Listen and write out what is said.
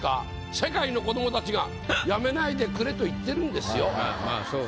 世界の子どもたちがやめないでくれと言ってるんですよ。